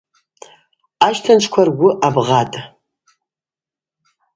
Ащтанчӏвква ргвы абгъатӏ.